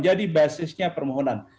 jadi basisnya permohonan